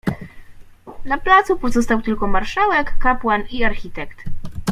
"Na placu pozostał tylko marszałek, kapłan i architekt."